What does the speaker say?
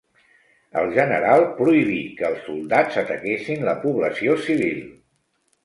El general prohibí que els soldats ataquessin la població civil.